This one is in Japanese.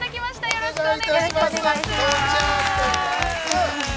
よろしくお願いします。